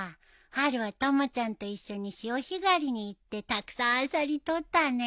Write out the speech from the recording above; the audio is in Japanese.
春はたまちゃんと一緒に潮干狩りに行ってたくさんアサリ採ったね。